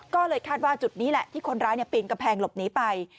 ก็เลยคาดว่าจุดนี้แหละที่คนร้ายปีนกำแพงหลบหนีไป